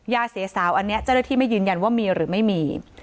ยาเสียสาวอันนี้เจ้าหน้าที่ไม่ยืนยันว่ามีหรือไม่มี